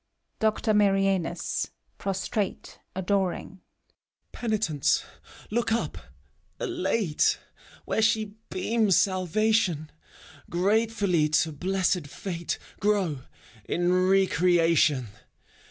DOCTOR MARIANUS (prostrate, adoring). Penitents, look up, elate. Where she beams salvation; Gratefully to blessed fate Grow, in re creation!